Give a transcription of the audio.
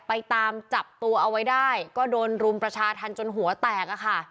ไปตามจับตัวเอาไว้ได้ก็โดนรุมประชาธรรมจนหัวแตกอะค่ะ